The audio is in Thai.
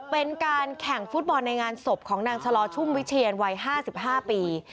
เป็นการแข่งฟุตบอลในงานศพของนางชะลอชุ่มวิเชียนวัย๕๕ปี